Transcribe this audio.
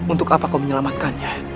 untuk apa kau menyelamatkannya